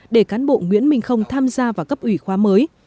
để cán bộ nguyễn minh không tham gia vào cấp ủy khóa mới